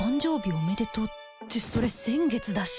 おめでとうってそれ先月だし